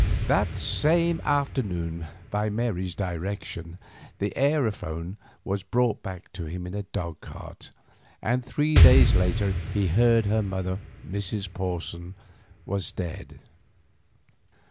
That same afternoon, by Mary's direction, the aerophone was brought back to him in a dog cart, and three days later he heard that her mother, Mrs. Porson, was dead.